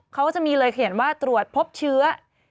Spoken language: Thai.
เขาก็จะมีเลยเขียนว่าตรวจพบเชื้อ